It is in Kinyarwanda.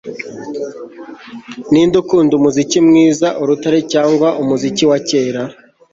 Ninde ukunda umuziki mwiza urutare cyangwa umuziki wa kera